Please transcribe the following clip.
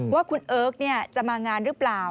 ว่าคุณเอิ๊กเนี่ยจะมางานรึเปล่า